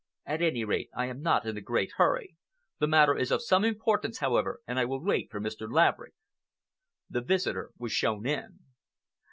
"At any rate, I am not in a great hurry. The matter is of some importance, however, and I will wait for Mr. Laverick." The visitor was shown in.